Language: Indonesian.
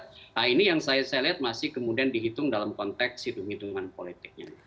nah ini yang saya lihat masih kemudian dihitung dalam konteks hitung hitungan politiknya